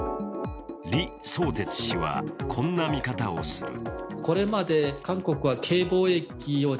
リ・ソウテツ氏はこんな見方をする。